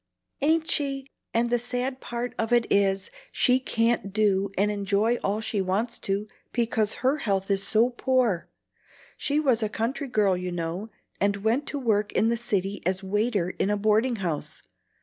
"Ain't she? and the sad part of it is, she can't do and enjoy all she wants to, because her health is so poor. She was a country girl, you know, and went to work in the city as waiter in a boarding house.